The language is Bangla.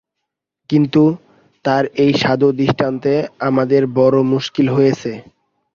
কিন্তু, তাঁর এই সাধু দৃষ্টান্তে আমাদের বড়ো মুশকিল হয়েছে।